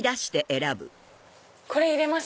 これ入れます。